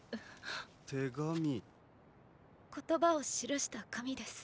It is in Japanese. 言葉を記した紙です。